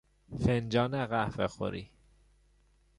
فنجان قهوه خوری